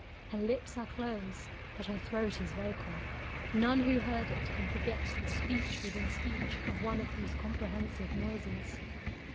Her lips are close, but her throat is vocal. None who heard it can forget the speech within speech of one of these comprehensive noises.